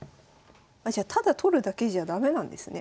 あじゃあただ取るだけじゃ駄目なんですね